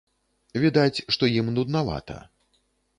Відаць, што ім нуднавата.